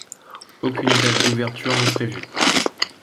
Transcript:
Aucune date d'ouverture n'est prévue.